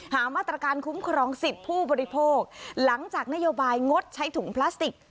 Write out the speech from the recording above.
หามาตรการคุ้มครองสิทธิ์ผู้บริโภคหลังจากนโยบายงดใช้ถุงพลาสติก